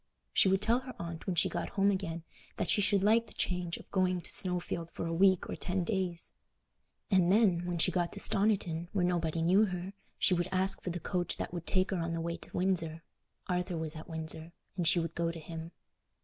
She would tell her aunt when she got home again that she should like the change of going to Snowfield for a week or ten days. And then, when she got to Stoniton, where nobody knew her, she would ask for the coach that would take her on the way to Windsor. Arthur was at Windsor, and she would go to him.